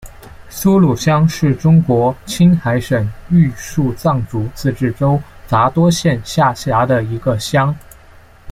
苏鲁乡是中国青海省玉树藏族自治州杂多县下辖的一个乡。